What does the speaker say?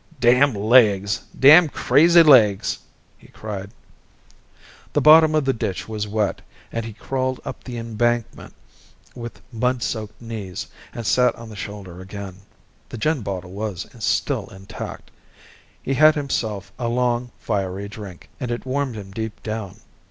"Damn legs, damn crazy legs!" he cried. The bottom of the ditch was wet, and he crawled up the embankment with mud soaked knees, and sat on the shoulder again. The gin bottle was still intact. He had himself a long fiery drink, and it warmed him deep down.